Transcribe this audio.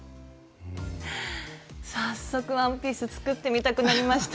早速ワンピース作ってみたくなりました。